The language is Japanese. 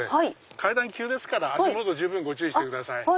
階段急ですから足元十分ご注意してください。